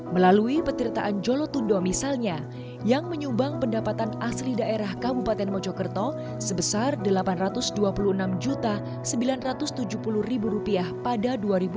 melalui petirtaan jolotundo misalnya yang menyumbang pendapatan asli daerah kabupaten mojokerto sebesar rp delapan ratus dua puluh enam sembilan ratus tujuh puluh pada dua ribu dua puluh